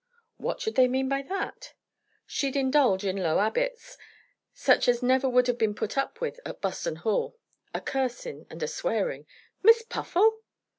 "What should they mean by that?" "She'd indulge in low 'abits, such as never would have been put up with at Buston Hall, a cursing and a swearing " "Miss Puffle!"